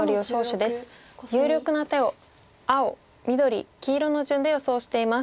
有力な手を青緑黄色の順で予想しています。